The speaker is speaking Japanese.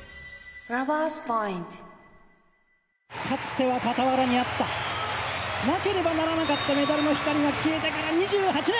かつては傍らにあったなければならなかったメダルの光が消えてから２８年。